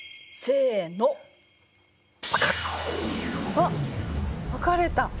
あっ分かれた。